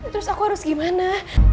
terus aku harus gimana